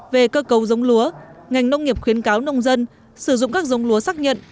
về cơ cấu giống lúa ngành nông nghiệp khuyến cáo nông dân sử dụng các giống lúa xác nhận